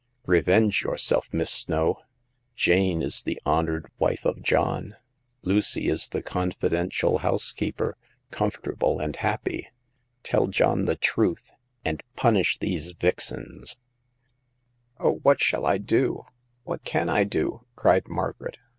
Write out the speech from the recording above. Revenge yourself. Miss Snow ! Jane is the hon ored wife of John ; Lucy is the confidential housekeeper, comfortable and happy. Tell John , the truth, and punish the^e \vxau^ I" The Sixth Customer. 175 " Oh, what shall I do ? What can I do ?" cried Margaret.